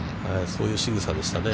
そういうしぐさでしたね。